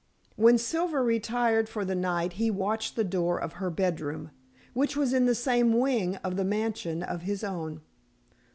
When Silver retired for the night he watched the door of her bedroom which was in the same wing of the mansion of his own.